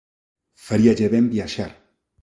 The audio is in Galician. Faríalle ben viaxar.